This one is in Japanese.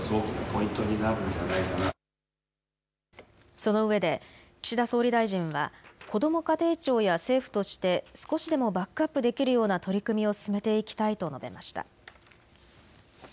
そのうえで岸田総理大臣はこども家庭庁や政府として少しでもバックアップできるような取り組みを進めていきたいと述べました。